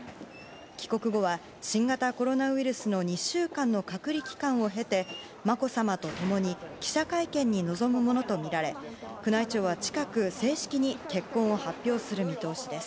帰国後は、新型コロナウイルスの２週間の隔離期間を経てまこさまと共に記者会見に臨むものとみられ宮内庁は近く正式に結婚を発表する見通しです。